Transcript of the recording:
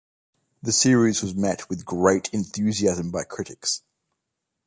The series was met with great enthusiasm by critics.